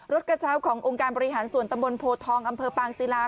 กระเช้าขององค์การบริหารส่วนตำบลโพทองอำเภอปางศิลา